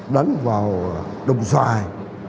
đánh vào đồng xoài